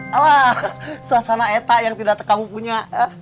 halah suasana eta yang tidak kamu punya